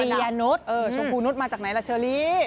เปรียนุษย์เออชมพูนุษย์มาจากไหนล่ะเชอรี่